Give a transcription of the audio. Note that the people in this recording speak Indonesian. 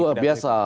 oh itu luar biasa